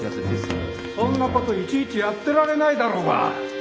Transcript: そんなこといちいちやってられないだろうが。